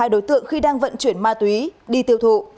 hai đối tượng khi đang vận chuyển ma túy đi tiêu thụ